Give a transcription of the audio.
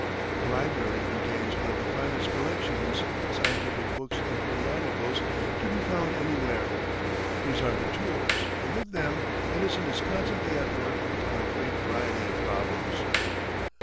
The library contains one of the finest collections of scientific books and periodicals to be found anywhere. These are the tools, and with them Edison is constantly at work upon a great variety of problems.